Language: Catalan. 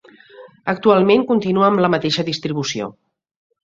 Actualment continua amb la mateixa distribució.